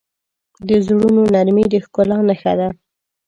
د زړونو نرمي د ښکلا نښه ده.